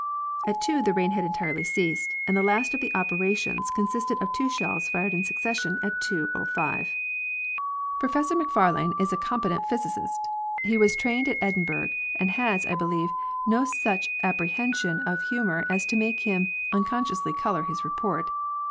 At 2 the rain had entirely ceased, and the last of the operations con sisted of two shells fired in succession at 2.05. The Test of the Method. 57 Professor Macfarlane is a competent physicist. He was trained in Edinburgh and has, I believe, no such appreciation of humor as to make him unconsciously color his report.